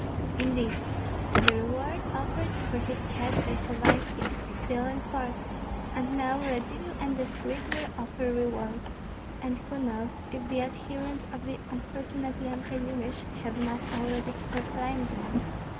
Indeed, the reward offered for his head by Hovanski is still in force, and now Radzivill and the Swedes will offer rewards, and who knows if the adherents of the unfortunate Yan Kazimir have not already proclaimed one?